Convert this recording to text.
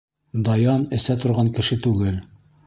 Даян эсә торған кеше түгел.